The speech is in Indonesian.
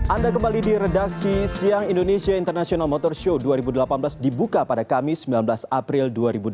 anda kembali di redaksi siang indonesia international motor show dua ribu delapan belas dibuka pada kamis sembilan belas april dua ribu delapan belas